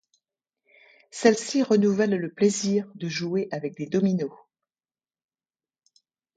Celles-ci renouvellent le plaisir de jouer avec des dominos.